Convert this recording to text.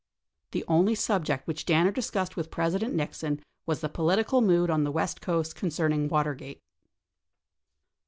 The only subject which Danner discussed with President Nixon was the political mood on the west coast concerning Water gate.